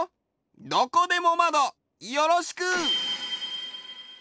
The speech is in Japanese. どこでもマドよろしく！